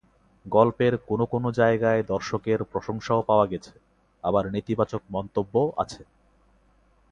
গল্পের কোনো কোনো জায়গায় দর্শকের প্রশংসাও পাওয়া গেছে, আবার নেতিবাচক মন্তব্যও আছে।